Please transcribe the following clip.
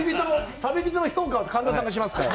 旅人の評価を神田さんがしますから。